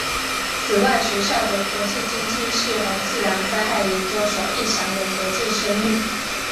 此外学校的国际经济系和自然灾害研究所亦享有国际声誉。